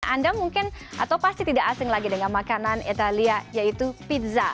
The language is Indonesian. anda mungkin atau pasti tidak asing lagi dengan makanan italia yaitu pizza